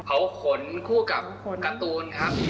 เขาขนคู่กับการ์ตูนครับ